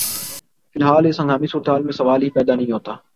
ی الحال اس ہنگامی صورتحال میں سوال ہی پیدا نہیں ہوتا